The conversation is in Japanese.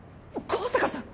香坂さん！